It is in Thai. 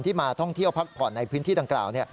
มาท่องเที่ยวพักผ่อนในพื้นที่ดังกล่าว